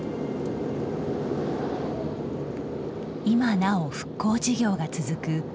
今なお復興事業が続く